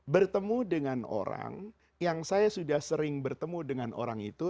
bertemu dengan orang yang saya sudah sering bertemu dengan orang itu